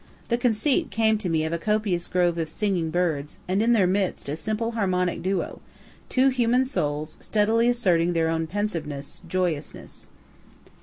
The conceit came to me of a copious grove of singing birds, and in their midst a simple harmonic duo, two human souls, steadily asserting their own pensiveness, joyousness.